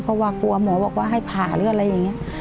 เพราะว่ากลัวหมอบอกว่าให้ผ่าหรืออะไรอย่างนี้